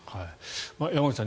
山口さん